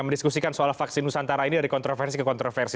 mendiskusikan soal vaksin nusantara ini dari kontroversi ke kontroversi